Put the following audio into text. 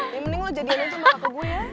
ya mending lo jadian aja sama kakak gue ya